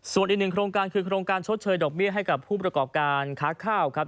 ส่วนอีกหนึ่งโครงการคือโครงการชดเชยดอกเบี้ยให้กับผู้ประกอบการค้าข้าวครับ